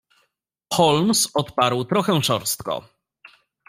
"Holmes odparł trochę szorstko."